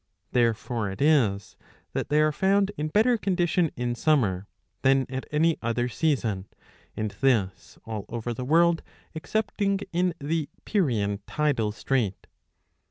Therefore it is that they are found in better condition in summer than at any other season ; and this all over the world excepting in the Pyrrhean tidal strait.